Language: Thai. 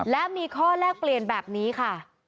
และมีข้อแลกเปลี่ยนแบบนี้ค่ะ